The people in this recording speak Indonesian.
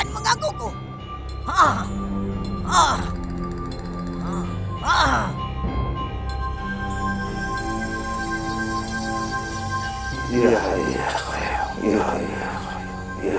dan aku akan menguasai ilmu setan jagi